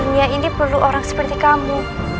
dunia ini perlu orang seperti kamu